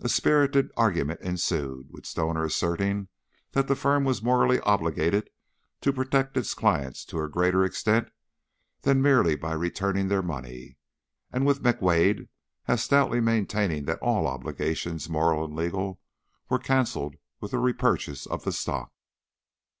A spirited argument ensued, with Stoner asserting that the firm was morally obligated to protect its clients to a greater extent than merely by returning their money, and with McWade as stoutly maintaining that all obligations, moral and legal, were canceled with the repurchase of the stock.